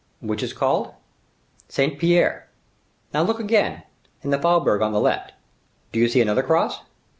"Which is called?" "Saint Pierre. Now look again—in the faubourg on the left, do you see another cross?"